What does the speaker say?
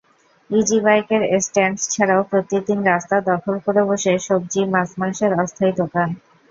ইজিবাইকের stand ছাড়াও প্রতিদিন রাস্তা দখল করে বসে সবজি, মাছ-মাংসের অস্থায়ী দোকান।